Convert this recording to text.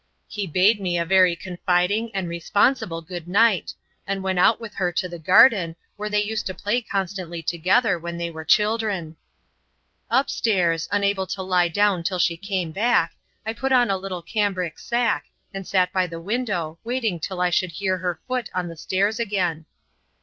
He bade me a very confiding and responsible good night, and went out with her to the garden where they used to play constantly together when they were children. Up stairs, unable to lie down till she came back, I put on a little cambric sack and sat by the window waiting till I should hear her foot on the stairs again.